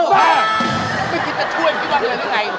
ไม่คิดจะช่วยพี่วังเลยหรือไง